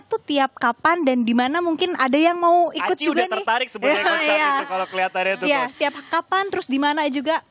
itu tiap kapan dan dimana mungkin ada yang mau ikut juga tertarik setiap kapan terus dimana juga